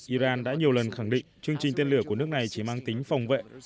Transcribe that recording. iran đã nhiều lần khẳng định chương trình tên lửa của nước này chỉ mang tính phòng vệ